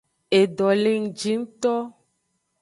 Edo le ngji ngto.